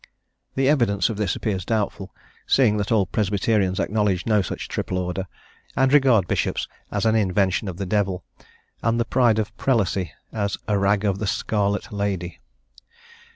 The "evidence" of this appears doubtful, seeing that all Presbyterians acknowledge no such triple order, and regard bishops as an invention of the devil, and "the pride of prelacy" as "a rag of the scarlet" lady.